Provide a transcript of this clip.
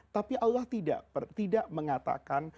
tapi allah tidak mengatakan